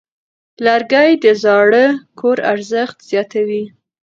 لرګی د زاړه کور ارزښت زیاتوي.